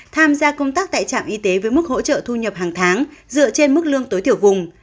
tham gia công tác tại trạm y tế với mức hỗ trợ thu nhập hàng tháng dựa trên mức lương tối thiểu vùng